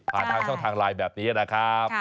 ผ่านมาด้วยทางลายแบบนี้นะครับ